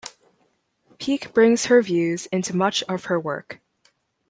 Peake brings her views into much of her work.